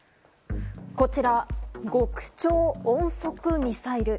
こちら、極超音速ミサイル。